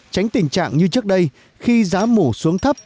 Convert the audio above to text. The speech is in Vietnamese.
tránh tình trạng như trước đây khi giá mủ xuống thấp